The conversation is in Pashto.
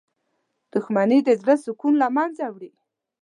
• دښمني د زړه سکون له منځه وړي.